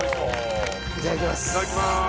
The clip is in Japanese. いただきます。